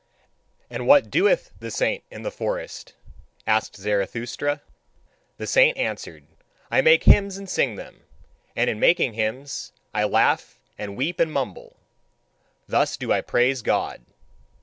"And what doeth the saint in the forest?" asked Zarathustra. The saint answered: "I make hymns and sing them; and in making hymns I laugh and weep and mumble: thus do I praise God.